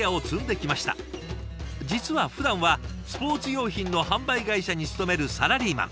実はふだんはスポーツ用品の販売会社に勤めるサラリーマン。